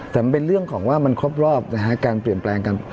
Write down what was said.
แต่มันเป็นเรื่องของว่ามันครบรอบนะฮะการเปลี่ยนแปลงกัน